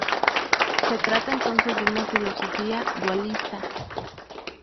Se trata entonces de una filosofía dualista.